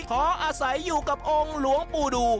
ขออาศัยอยู่กับองค์หลวงปู่ดู